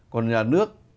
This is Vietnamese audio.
còn nhà nước